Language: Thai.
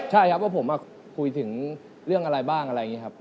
ใช่ครับว่าผมคุยถึงเรื่องอะไรบ้างอะไรอย่างนี้ครับ